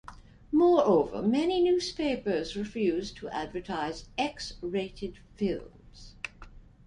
Moreover, many newspapers refused to advertise X rated films.